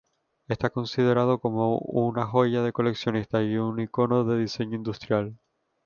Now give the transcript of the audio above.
Está considerado como una joya de coleccionistas y un icono del diseño industrial.